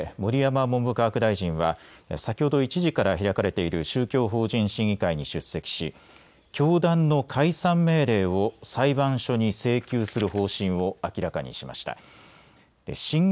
旧統一教会を巡る問題で盛山科学文部科学大臣は先ほど１時から開かれている宗教法人審議会に出席し教団の解散命令を裁判所に請求する方針を明らかにしました。